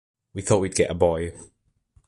We thought we’d get a boy.